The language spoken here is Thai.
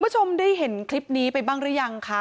คุณผู้ชมได้เห็นคลิปนี้ไปบ้างหรือยังคะ